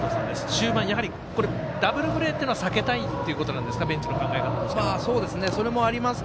終盤、ダブルプレーは避けたいということなんですかベンチの考え方としては。それもあります